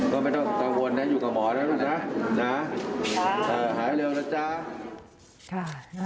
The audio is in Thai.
ก็ไม่ต้องกังวลนะอยู่กับหมอแล้วนะหายเร็วแล้วจ้า